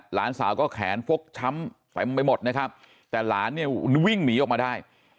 หลานสาวก็แขนฟกช้ำเต็มไปหมดนะครับแต่หลานเนี่ยวิ่งหนีออกมาได้